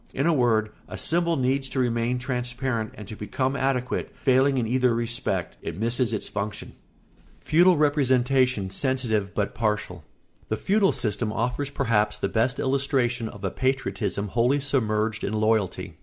In a word, a symbol needs to remain transparent and to become adequate; failing in either respect, it misses its function. [Sidenote: Feudal representation sensitive but partial.] The feudal system offers perhaps the best illustration of a patriotism wholly submerged in loyalty.